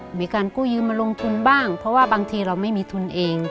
มีการกู้ยืมมาลงทุนบ้างเพราะว่าบางทีเราไม่มีทุนเอง